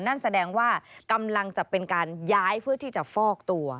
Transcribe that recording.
นั่นแสดงว่ากำลังจะเป็นการย้ายเพื่อที่จะฟอกตัว